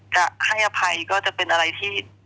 จะให้อภัยก็จะเป็นอะไรที่